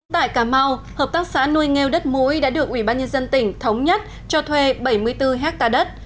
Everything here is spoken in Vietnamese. tại cà mau hợp tác xã nuôi nghêu đất mũi đã được ủy ban nhân dân tỉnh thống nhất cho thuê bảy mươi bốn hectare đất